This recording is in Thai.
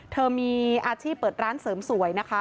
เธอมีอาชีพเปิดร้านเสริมสวยนะคะ